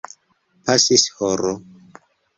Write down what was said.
Pasis horo.